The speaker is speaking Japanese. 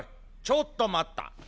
ちょっと待った。